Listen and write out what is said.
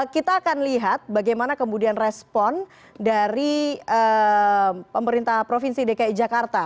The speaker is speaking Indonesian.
kita akan lihat bagaimana kemudian respon dari pemerintah provinsi dki jakarta